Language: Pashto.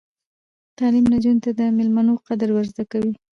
تعلیم نجونو ته د میلمنو قدر ور زده کوي.